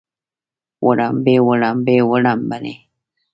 وړومبي وړومبۍ وړومبنۍ